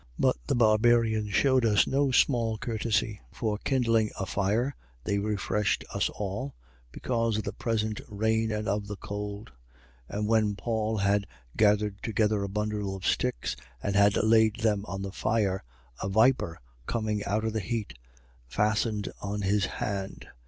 But the barbarians shewed us no small courtesy. 28:2. For kindling a fire, they refreshed us all, because of the present rain and of the cold. 28:3. And when Paul had gathered together a bundle of sticks and had laid them on the fire, a viper, coming out of the heat, fastened on his hand.